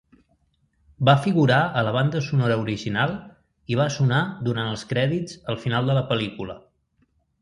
Va figurar a la banda sonora original i va sonar durant els crèdits al final de la pel·lícula.